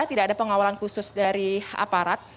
tidak ada pengawalan khusus dari aparat